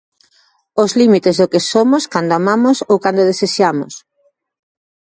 Os límites do que somos cando amamos ou cando desexamos.